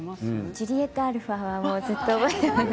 ジュリエットアルファはずっと覚えています。